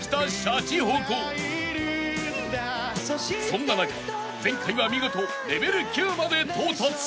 ［そんな中前回は見事レベル９まで到達］